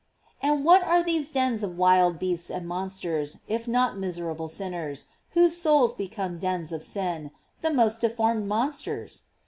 '"* And what are these dens of wild beasts and monsters, if not miserable sinners, whose souls become dens of sins, the most deformed mon sters?